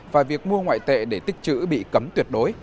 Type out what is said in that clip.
và việc mua ngoại tệ để tích chữ bị cấm tuyệt đối